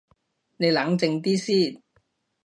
你冷靜啲先